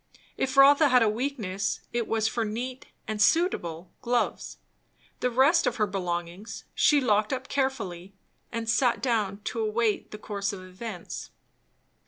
If Rotha had a weakness, it was for neat and suitable gloves. The rest of her belongings she locked up carefully, and sat down to await the course of events.